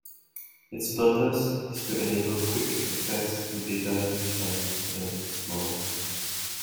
Its purpose is to enable quick access to data used by Internet Explorer.